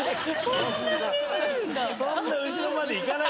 そんな後ろまでいかないから顔。